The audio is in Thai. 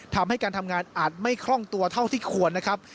ทำให้การทำงานอาจไม่คล่องตัวเท่าที่ควรนะครับ